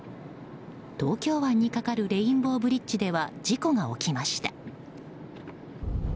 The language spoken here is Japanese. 東京湾にかかるレインボーブリッジでは事故が起きました。